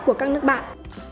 của các nước bạn